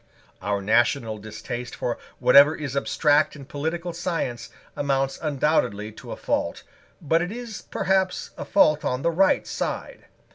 Our national distaste for whatever is abstract in political science amounts undoubtedly to a fault. But it is, perhaps, a fault on the right side.